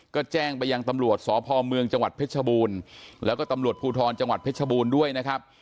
ก็แจ้งไปยังตำรวจสพเมืองจังหวัดเพชรบูรณ์แล้วก็ตำรวจภูทรจังหวัดเพชรบูรณ์ด้วยนะครับ